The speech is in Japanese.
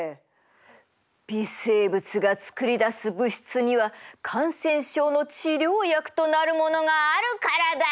微生物が作り出す物質には感染症の治療薬となるものがあるからだ！